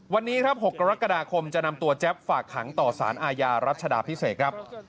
วันนี้ครับ๖กรกฎาคมจะนำตัวแจ๊บฝากขังต่อสารอาญารัชดาพิเศษครับ